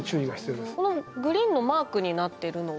このグリーンのマークになってるのは？